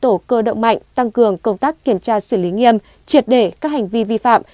tổ cơ động mạnh tăng cường công tác kiểm tra xử lý nghiêm triệt để các hành vi vi phạm